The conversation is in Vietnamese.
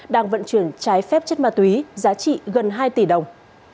đang vận chuyển trái phép chất ma túy giá trị gần hai tỷ đồng